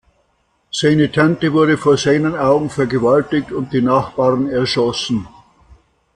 Seine Tante wurde vor seinen Augen vergewaltigt und die Nachbarn erschossen.